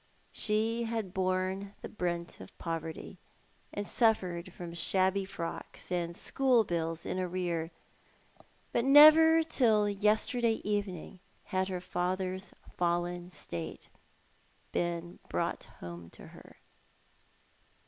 She had borne the brunt of poverty, and suffered from shabby frocks, and school bills in arrear, but never till yesterday evening had her father's fallen state been brought home to her.